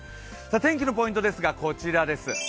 天気のポイントですがこちらです